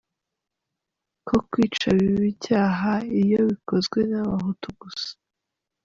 Ko kwica biba icyaha iyo bikozwe n’abahutu gusa.